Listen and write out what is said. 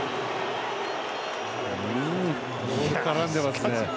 絡んでますね。